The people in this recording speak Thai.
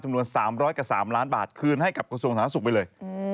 วน๓๐๐กับ๓ล้านบาทคืนให้กับกระทรวงสาธารณสุขไปเลย